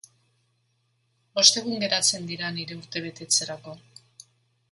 Bost egun geratzen dira nire urtebetetzerako.